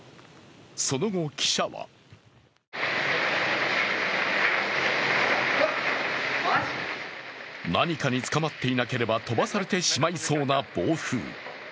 その後、記者は何かにつかまっていなければ飛ばされてしまいそうな暴風。